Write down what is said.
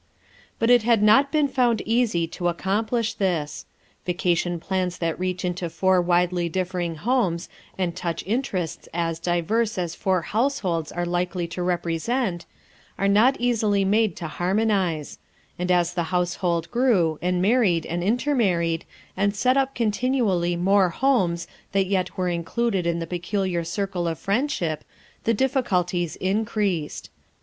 But it had not been found easy to accomplish this. Vacation plans that reach into four widely differing homes and touch interests as diverse as four households are likely to repre sent, are not easily made to harmonize ; and as the household grew, and married and inter mar ried and set up continually more homes that yet were included in the peculiar circle of friend ship, the difficulties increased.